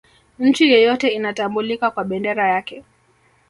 nchi yoyote inatambulika kwa bendera yake